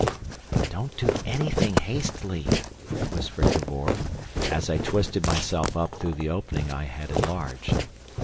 "Don't do anything hastily," whispered Cavor, as I twisted myself up through the opening I had enlarged.